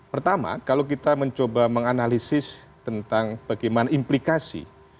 pertama kalau kita mencoba menganalisis tentang bagaimana implikasi